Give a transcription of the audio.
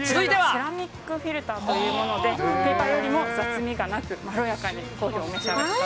セラミックフィルターというもので、ペーパーよりも雑味がなく、まろやかにコーヒーをお召し上がりいただけます。